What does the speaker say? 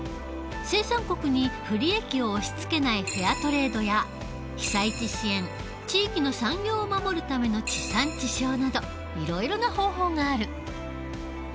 生産国に不利益を押しつけないフェアトレードや被災地支援地域の産業を守るための地産地消などいろいろな方法がある。